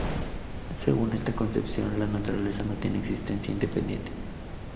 Según esta concepción, la naturaleza no tiene existencia independiente.